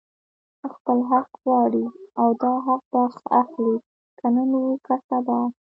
خپل حق غواړي او دا حق به اخلي، که نن وو که سبا